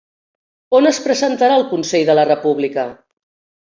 On es presentarà el Consell de la República?